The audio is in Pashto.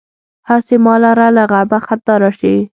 هسې ما لره له غمه خندا راشي.